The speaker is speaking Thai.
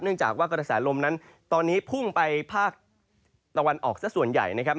จากว่ากระแสลมนั้นตอนนี้พุ่งไปภาคตะวันออกซะส่วนใหญ่นะครับ